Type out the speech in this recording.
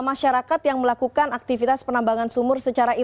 masyarakat yang melakukan aktivitas penambangan sumur secara